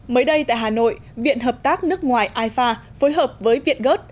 mới đây tại hà nội viện hợp tác nước ngoài ifa phối hợp với viện gớt